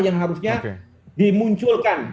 yang harusnya dimunculkan